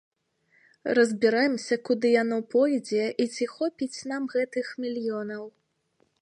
Разбіраемся, куды яно пойдзе і ці хопіць нам гэтых мільёнаў.